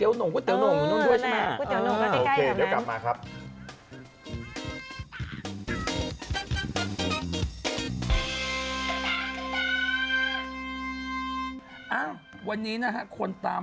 เป็นตลาดของพี่เท้งใช่ไหม